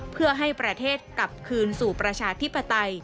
เพื่อให้ประเทศกลับคืนสู่ประชาธิปไตย